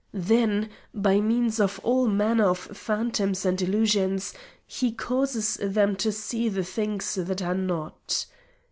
Then, by means of all manner of phantoms and illusions, he causes them to "see the things that are not."